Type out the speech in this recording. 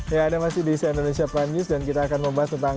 ya anda masih di si indonesia prime news dan kita akan membahas tentang